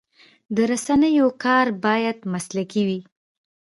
د رسنیو کار باید مسلکي وي.